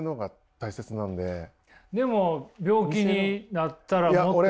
でも病気になったら。